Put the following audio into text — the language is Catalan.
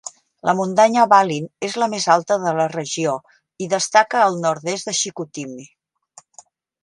La muntanya Valin és la més alta de la regió i destaca al nord-est de Chicoutimi.